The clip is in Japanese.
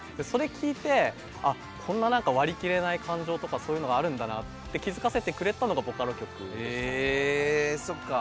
それを聴いて、こんな割り切れない感情とかそういうのがあるんだなって気付かせてくれたのがボカロ曲でしたね。